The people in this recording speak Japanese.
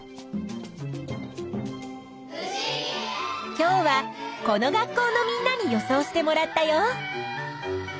今日はこの学校のみんなに予想してもらったよ。